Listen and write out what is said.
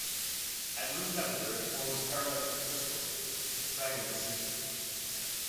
At room temperature it forms paraelectric crystals with tetragonal symmetry.